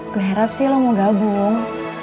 gue harap sih lo mau gabung